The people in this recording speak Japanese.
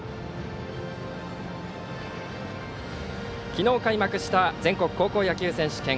昨日開幕した全国高校野球選手権。